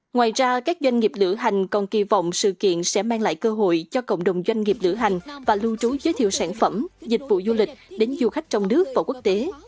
ngoài ra các doanh nghiệp lửa hành còn kỳ vọng sự kiện sẽ mang lại cơ hội cho cộng đồng doanh nghiệp lửa hành và lưu trú giới thiệu sản phẩm dịch vụ du lịch đến du khách trong nước và quốc tế